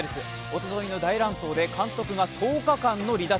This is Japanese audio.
おとといの大乱闘で監督が１０日間の離脱。